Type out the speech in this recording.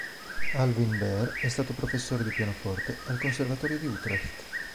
Alwin Bär è stato professore di pianoforte al Conservatorio di Utrecht.